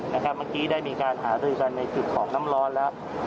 เมื่อกี้ได้มีการหารือกันในจุดของน้ำร้อนแล้ว